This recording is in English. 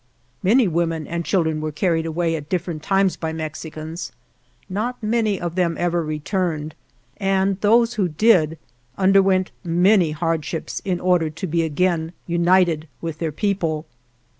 Many women and children were carried away at different times by Mexicans. Not many of them ever returned, and those who did underwent many hardships in order to be again united with their people.